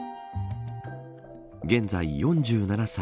現在、４７歳。